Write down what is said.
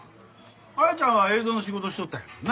彩ちゃんは映像の仕事しとったんやもんな。